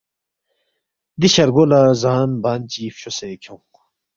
”دی شرگو لہ زان بان چی فچوسے کھیونگ